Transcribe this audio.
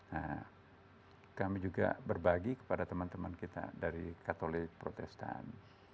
nah kami juga berbagi kepada teman teman kita dari katolik protestan